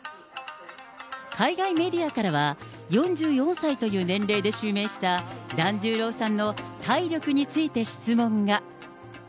海外メディアからは、４４歳という年齢で襲名した團十郎さんの体力について質問が。